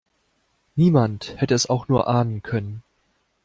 Niemand hätte es auch nur ahnen können.